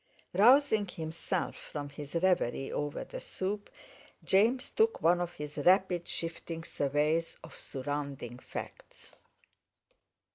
Rousing himself from his reverie over the soup, James took one of his rapid shifting surveys of surrounding facts.